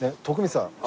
徳光さん